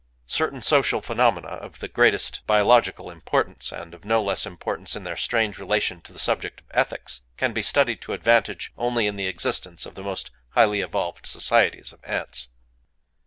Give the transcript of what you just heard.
Certain social phenomena of the greatest biological importance, and of no less importance in their strange relation to the subject of ethics, can be studied to advantage only in the existence of the most highly evolved societies of ants.